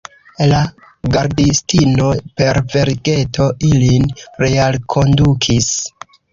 La gardistino, per vergeto ilin realkondukis.